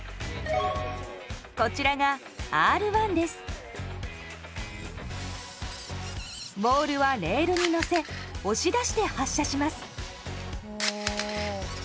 こちらがボールはレールにのせ押し出して発射します。